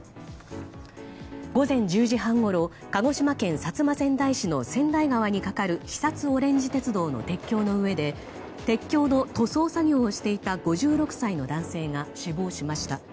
午前１０時半ごろ、鹿児島県薩摩川内市の川内川に架かる肥薩おれんじ鉄道の鉄橋の上で鉄橋の塗装作業をしていた５６歳の男性が死亡しました。